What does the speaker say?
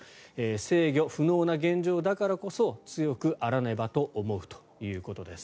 制御不能な現状だからこそ強くあらねばと思うということです。